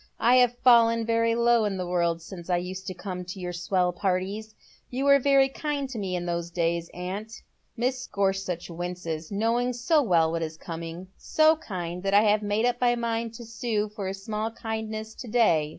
I have fallen very low in the world since I used to come to your swell parties. You were veiy kind to me in those days, aunt," — Mrs. Gorsuch winces, knowing so well what is coming —" so kind that I have made up my mind to sue for a small kindness to day.